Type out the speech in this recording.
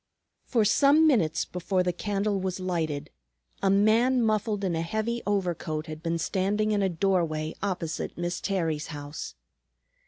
For some minutes before the candle was lighted, a man muffled in a heavy overcoat had been standing in a doorway opposite Miss Terry's house.